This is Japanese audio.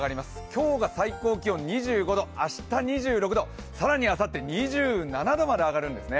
今日が最高気温２５度明日２６度更にあさって２７度まで上がるんですね。